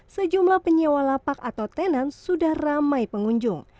sejumlah penyewa lapak atau tenan sudah ramai pengunjung